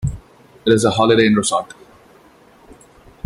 It is a Holiday Inn Resort.